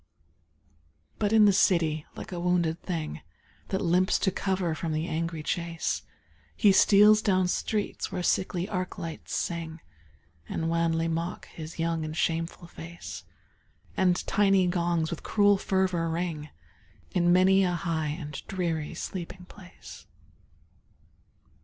But in the city, like a wounded thing That limps to cover from the angry chase, He steals down streets where sickly arc lights sing, And wanly mock his young and shameful face; And tiny gongs with cruel fervor ring In many a high and dreary sleeping place.